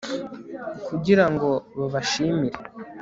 kugira ngo babashimire